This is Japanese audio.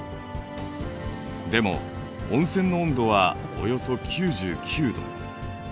でも温泉の温度はおよそ９９℃。